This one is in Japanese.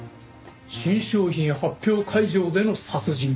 新商品発表会場での殺人か。